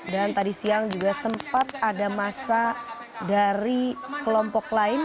dan tadi siang juga sempat ada masa dari kelompok lain